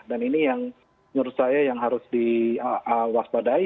dan ini yang menurut saya yang harus diwaspadai